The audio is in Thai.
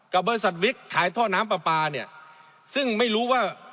บริษัทวิกขายท่อน้ำปลาปลาเนี่ยซึ่งไม่รู้ว่า